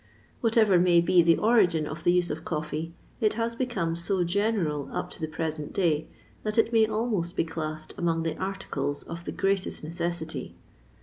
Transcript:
Whatever may be the origin of the use of coffee, it has become so general up to the present day that it may almost be classed among the articles of the greatest necessity.